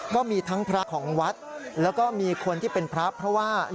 ก็มีทั้งพระของวัดแล้วก็มีคนที่เป็นพระเพราะว่า